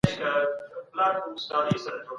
د اقتصاد د پیاوړتیا لپاره باید نوي ګامونه پورته سي.